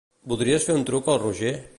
Voldries fer un truc al Roger?